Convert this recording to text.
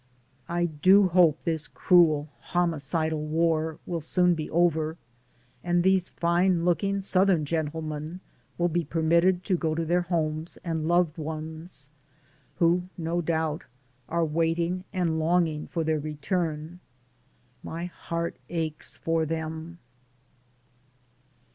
I do hope this cruel, homicidal war will soon be over, and these fine looking Southern gentlemen will be permitted to go to their homes and loved ones, who, no doubt, are waiting and long ing for their return. My heart aches for them.